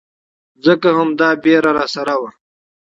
ځکه همدا ويره راسره وه.